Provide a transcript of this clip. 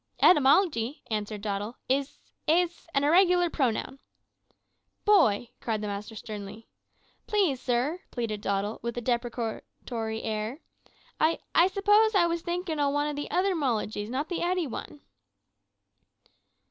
"`Etymology,' answered Doddle, `is is an irregular pronoun.' "`Boy!' cried the master sternly. "`Please, sir,' pleaded Doddle, with deprecatory air, `I I suppose I was thinkin' o' one o' the other mologies, not the etty one.'